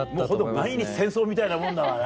毎日戦争みたいなもんだわな。